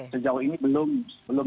sejauh ini belum